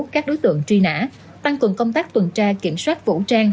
các đối tượng truy nã tăng cường công tác tuần tra kiểm soát vũ trang